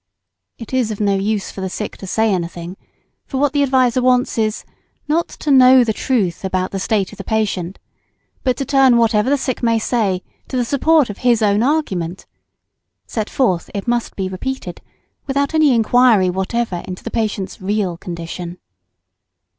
It is of no use for the sick to say anything, for what the adviser wants is, not to know the truth about the state of the patient, but to turn whatever the sick may say to the support of his own argument, set forth, it must be repeated, without any inquiry whatever into the patient's real condition.